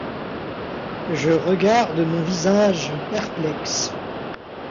Je regarde mon visage perplexe.